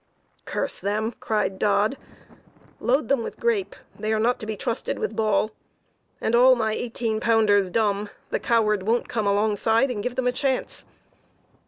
"Curse them!" cried Dodd; "load them with grape! they are not to be trusted with ball. And all my eighteen pounders dumb! The coward won't come alongside and give them a chance."